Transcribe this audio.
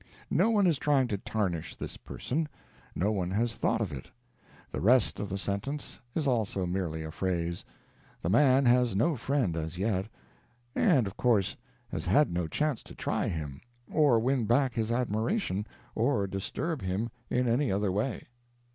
No one is trying to tarnish this person; no one has thought of it. The rest of the sentence is also merely a phrase; the man has no friend as yet, and of course has had no chance to try him, or win back his admiration, or disturb him in any other way.